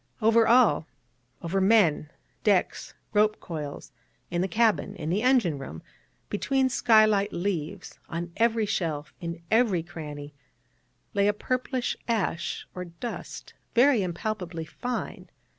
Over all over men, decks, rope coils in the cabin, in the engine room between skylight leaves on every shelf, in every cranny lay a purplish ash or dust, very impalpably fine.